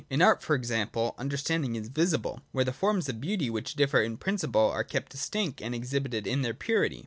In Art, for example, understanding is visible where the forms of beauty, which differ in principle, are kept distinct and exhibited in their purity.